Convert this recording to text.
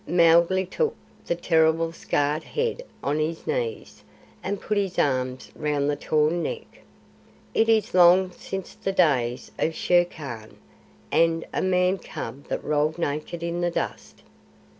Mowgli took the terrible scarred head on his knees, and put his arms round the torn neck. "It is long since the old days of Shere Khan, and a Man cub that rolled naked in the dust."